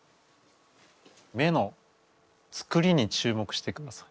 目のつくりに注目してください。